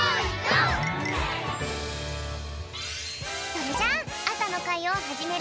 それじゃああさのかいをはじめるぴょん！